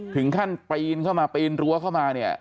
ถึงขั้นปีนเข้ามาปีนรั้วเข้ามาเนี่ย